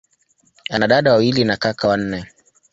Ana dada wawili na kaka wanne.